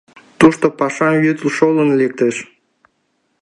Тушто памаш вӱд шолын лектеш.